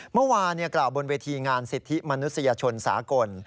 เมื่อวานกล่าวบนเวทีงานสิทธิมนุษยชนสากล